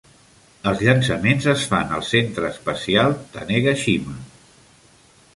Els llançaments es fan al centre espacial Tanegashima.